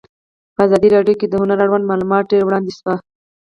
په ازادي راډیو کې د هنر اړوند معلومات ډېر وړاندې شوي.